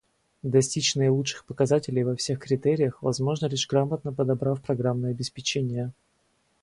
Достичь наилучших показателей во всех критериях возможно лишь грамотно подобрав программное обеспечение